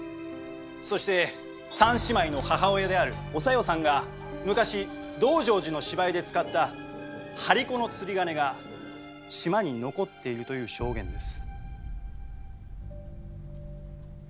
そして３姉妹の母親であるお小夜さんが昔「道成寺」の芝居で使った張り子の釣り鐘が島に残っているという証言です。